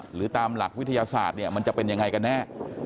หรือตามหลักวิทยาศาสตร์มันจะเป็นอย่างไรกันแน่